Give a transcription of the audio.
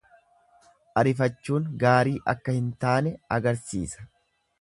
Arifachuun gaarii akka hin taane agarsiisa.